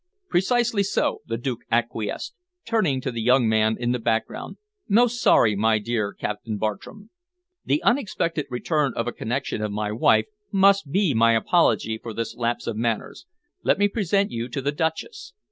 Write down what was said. "Precisely so," the Duke acquiesced, turning to the young man in the background. "Most sorry, my dear Captain Bartram. The unexpected return of a connection of my wife must be my apology for this lapse of manners. Let me present you to the Duchess.